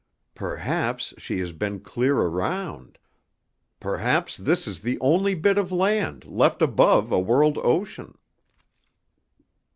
"Perhaps she has been clear around; perhaps this is the only bit of land left above a world ocean."